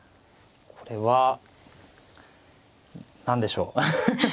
これは何でしょう。